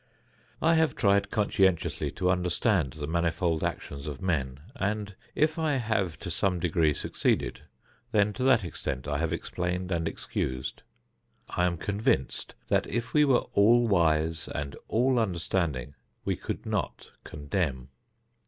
I have tried conscientiously to understand the manifold actions of men and if I have to some degree succeeded, then to that extent I have explained and excused. I am convinced that if we were all wise and all understanding, we could not condemn.